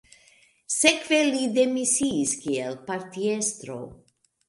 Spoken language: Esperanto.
Sekve li demisiis kiel partiestro.